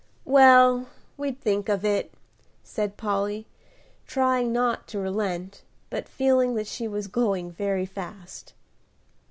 "Well, we'd think of it," said Polly, trying not to relent, but feeling that she was going very fast.